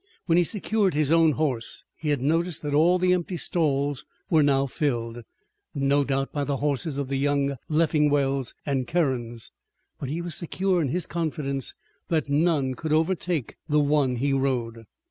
When he secured his own horse he had noticed that all the empty stalls were now filled, no doubt by the horses of the young Leffingwells and Kerins, but he was secure in his confidence that none could overtake the one he rode.